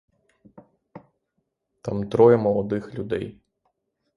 Там троє молодих людей.